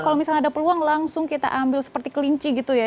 kalau misalnya ada peluang langsung kita ambil seperti kelinci gitu ya